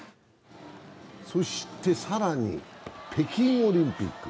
そして更に北京オリンピック。